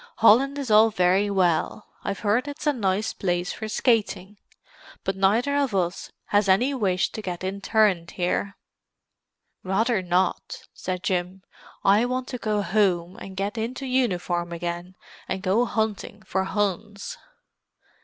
"Holland is all very well; I've heard it's a nice place for skating. But neither of us has any wish to get interned here." "Rather not!" said Jim. "I want to go home and get into uniform again, and go hunting for Huns."